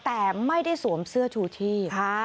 แต่ไม่ได้สวมเสื้อชูชีพ